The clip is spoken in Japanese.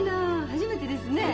初めてですね？